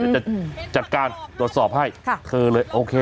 จะจัดการตรวจสอบให้เธอเลยโอเค